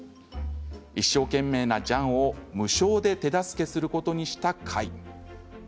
一生懸命なジャンを無償で手助けすることにした開。